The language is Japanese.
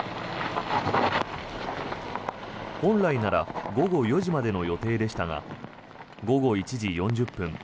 本来なら午後４時までの予定でしたが午後１時４０分